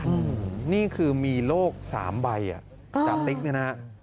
อืมนี่คือมีโลกสามใบอ่ะจาติ๊กเนี่ยนะฮะ